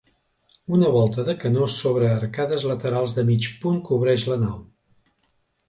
Una volta de canó sobre arcades laterals de mig punt cobreix la nau.